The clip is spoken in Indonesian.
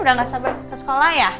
udah gak sabar ke sekolah ya